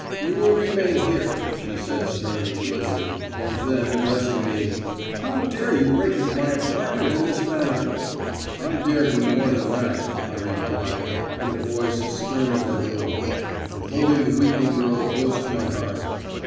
"You will remain here," she said sternly to Lizzie; and then, addressing me, "How dare you break into my apartment in this manner?" "I dare do more than that," I replied, in a voice sterner than her own, and holding the weeping girl close to my heart.